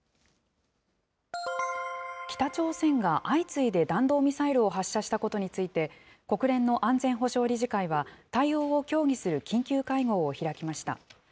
北朝鮮が、相次いで弾道ミサイルを発射したことについて、国連の安全保障理事会は、対応を協議する緊急会合を開きました。